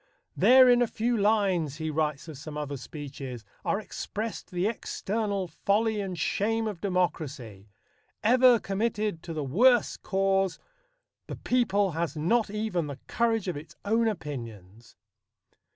"There in a few lines," he writes of some other speeches, "are expressed the external folly and shame of democracy. Ever committed to the worse cause, the people has not even the courage of its own opinions."